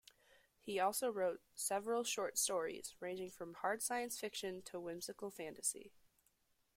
He also wrote several short stories, ranging from hard science fiction to whimsical fantasy.